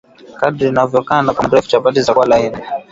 Kadiri unavyokanda kwa muda mrefu chapati zitakuwa laini